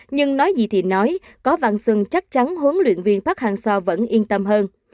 nhưng nói gì thì nói có văn xuân chắc chắn huấn luyện viên phát hàng xo vẫn yên tâm hơn